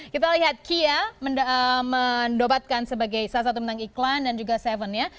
kita lihat kia mendobatkan sebagai salah satu tentang iklan dan juga tujuh ya